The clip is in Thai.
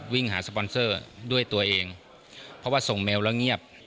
วิ่งหาสปอนเซอร์ด้วยตัวเองเพราะว่าส่งแมวแล้วเงียบ